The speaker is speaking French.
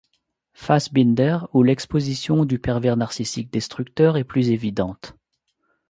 Fassbinder où l'exposition du pervers narcissique destructeur est plus évidente.